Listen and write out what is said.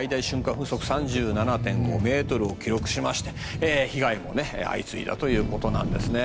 風速３７．５ｍを記録しまして被害も相次いだということなんですね。